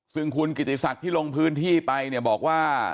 ซึ่งคุณกิติศักดิ์ที่ลงพื้นที่ไปเนี่ยบอกว่า